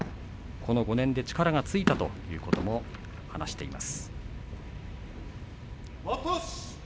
この５年で力がついたということも話しています。